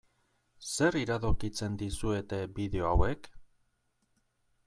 Zer iradokitzen dizuete bideo hauek?